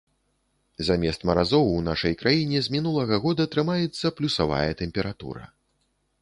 Замест маразоў у нашай краіне з мінулага года трымаецца плюсавая тэмпература.